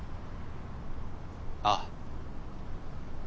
ああ。